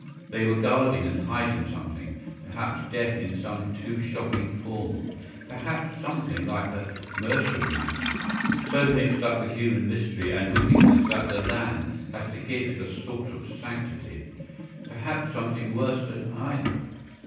They were guarding and hiding something; perhaps death in some too shocking form, perhaps something like the Merstham matter, so mixed up with human mystery and wickedness that the land has to give it a sort of sanctity; perhaps something worse than either.